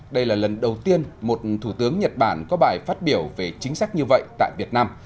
đây là lần đầu tiên một thủ tướng nhật bản có bài phát biểu về chính sách như vậy tại việt nam